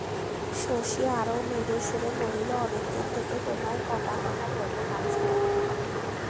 শশী আরও মৃদুস্বরে বলিল, অনেক দিন থেকে তোমায় কটা কথা বলব ভাবছিলাম বৌ।